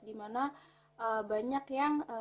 dimana banyak yang